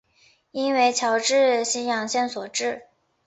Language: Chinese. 应为侨置新阳县所置。